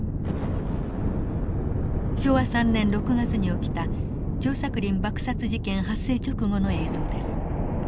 昭和３年６月に起きた張作霖爆殺事件発生直後の映像です。